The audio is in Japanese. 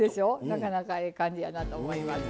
なかなかええ感じやなと思います。